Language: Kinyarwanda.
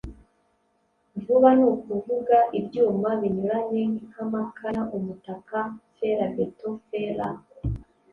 vuba ni ukuvuga ibyuma binyuranye nk’amakanya, umutaka, ferabeto(fer à